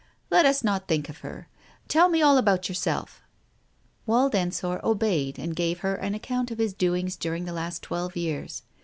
"Let us not think of her. Tell me all about yourself." Wald Ensor obeyed and gave her an account of his doings during the last twelve years.